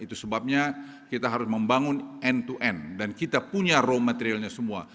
itu sebabnya kita harus membangun end to end dan kita punya raw materialnya semua